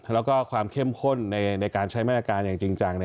แล้วก็ความเข้มข้นในการใช้มาตรการอย่างจริงจัง